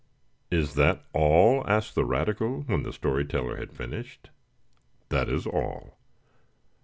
"Is that all?" asked the radical, when the story teller had finished. "That is all."